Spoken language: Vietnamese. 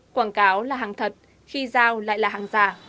quảng cáo là hàng thật khi giao lại là hàng giả